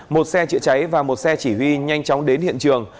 một xe chữa cháy và một xe chỉ huy nhanh chóng đến hiện trường